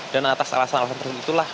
dan atas alasan alasan tersebut itulah